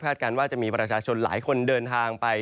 การว่าจะมีประชาชนหลายคนเดินทางไป